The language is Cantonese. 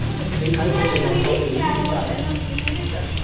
你睇佢地兩個幾煙韌